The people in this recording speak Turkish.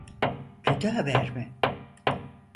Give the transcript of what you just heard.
Kötü haber mi?